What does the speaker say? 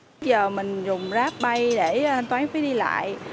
bây giờ mình dùng grabpay để thanh toán phí đi lại